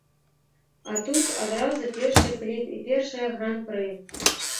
А тут адразу першы кліп і першае гран-пры.